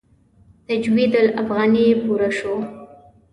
تجوید الافغاني پوره شو.